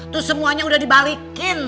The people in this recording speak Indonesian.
tuh semuanya udah dibalikin